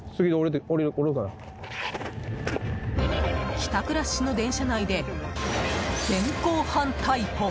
帰宅ラッシュの電車内で現行犯逮捕。